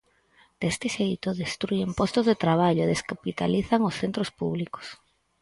Deste xeito, destrúen postos de traballo e descapitalizan os centros públicos.